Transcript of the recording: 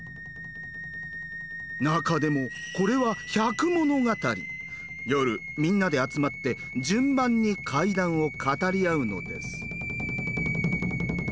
中でもこれは夜みんなで集まって順番に怪談を語り合うのです。